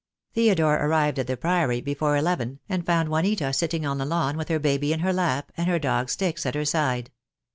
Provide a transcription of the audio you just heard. Theodore arrived at the Priory be fore eleven, and found Juanita sitting on the lawn with her baby in her lap, and the dog Styx at her side.